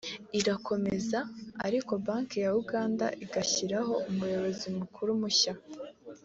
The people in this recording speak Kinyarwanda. irakomeza ariko Banki ya Uganda igashyiraho Umuyobozi Mukuru mushya